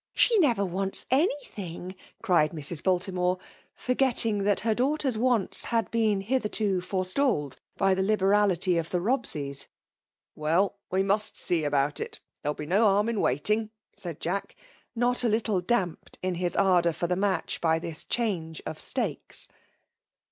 — She never wants any* thii^," cried Mrs. Baltimore ; forgetting tiiat ber daughter s wHnts had been kithetio fcve 0taOed by the libexality of the Bobse^. '^ Well, we muat see about H ; there wiU ^^ FKMAI,!!: POMIHATIOK. no harm in waiting!" said Jack, not a littjp damped in his ardour for the match by this change of stakes.